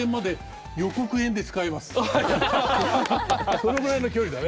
そのぐらいの勢いだね。